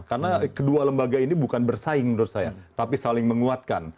karena kedua lembaga ini bukan bersaing menurut saya tapi saling menguatkan